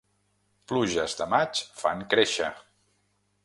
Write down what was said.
Pluges de maig fan créixer.